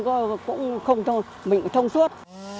mình cũng thông suốt